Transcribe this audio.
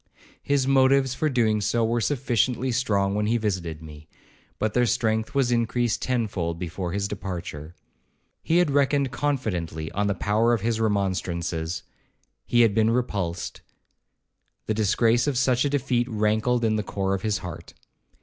His motives for doing so were sufficiently strong when he visited me, but their strength was increased tenfold before his departure. He had reckoned confidently on the power of his remonstrances; he had been repulsed; the disgrace of such a defeat rankled in the core of his heart.